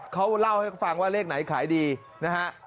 เขาเล่าให้ฟังว่าเลขไหนขายดีนะฮะ